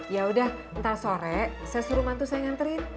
yaudah ntar sore saya suruh mantu saya nganterin